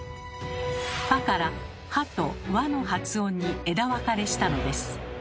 「ふぁ」から「は」と「わ」の発音に枝分かれしたのです。